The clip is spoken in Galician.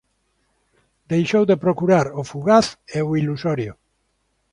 Deixou de procurar o fugaz e ilusorio.